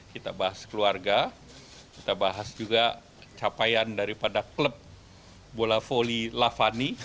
kita bahas keluarga kita bahas juga capaian daripada klub bola volley lavani